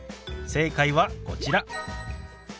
正解はこちら。